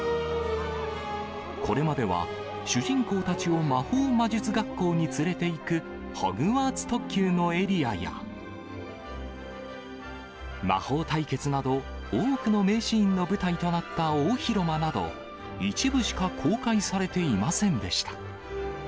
これまでは主人公たちを魔法魔術学校に連れていくホグワーツ特急のエリアや、魔法対決など、多くの名シーンの舞台となった大広間など、一部しか公開されていませんでした。